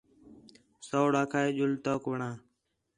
سوڑ آکھا ہِِے ڄُل تؤک وڑاں